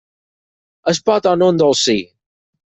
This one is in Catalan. Es pot o no endolcir.